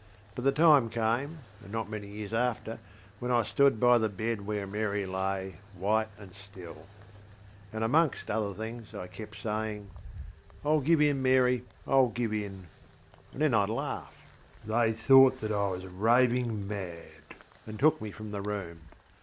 But the time came, and not many years after, when I stood by the bed where Mary lay, white and still; and, amongst other things, I kept saying, ŌĆśIŌĆÖll give in, MaryŌĆö IŌĆÖll give in, ŌĆÖ and then IŌĆÖd laugh. They thought that I was raving mad, and took me from the room.